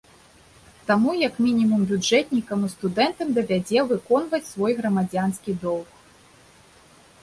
Таму як мінімум бюджэтнікам і студэнтам давядзе выконваць свой грамадзянскі доўг.